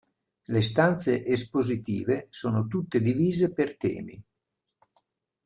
Le stanze espositive sono tutte divise per temi.